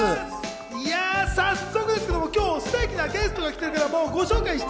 早速ですけれども、今日ステキなゲストが来てるからご紹介しちゃ